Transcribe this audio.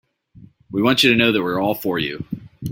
We want you to know that we're all for you.